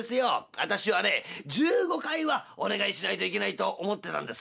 私はね１５回はお願いしないといけないと思ってたんですよ」。